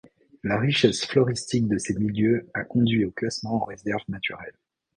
La richesse floristique de ces milieux a conduit au classement en réserve naturelle.